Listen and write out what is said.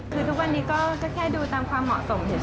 คือทุกวันนี้ก็แค่ดูตามความเหมาะสม